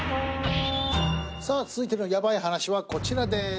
続いてのヤバい話はこちらです。